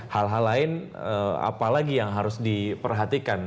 hal hal lain apalagi yang harus diperhatikan